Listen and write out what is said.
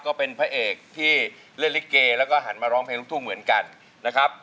ก็เป็นพระเอกที่เล่นลิเกแล้วก็หันมาร้องเพลงลูกทุ่งเหมือนกันนะครับ